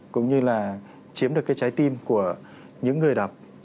cũng như là chiếm được cái trái tim của những người đọc